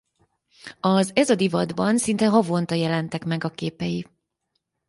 Az Ez a Divatban szinte havonta jelentek meg a képei.